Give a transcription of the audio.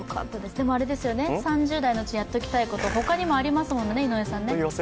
でも３０代のうちやっておきたいこと、他にもありますもんね？